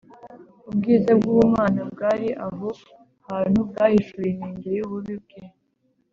ubwiza bw’ubumana bwari aho hantu bwahishuye inenge y’ububi bwe